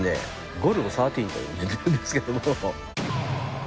ゴルゴ１３と呼んでるんですけども。